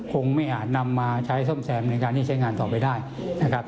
คงไม่อาจนำมาใช้ซ่อมแซมในการที่ใช้งานต่อไปได้นะครับ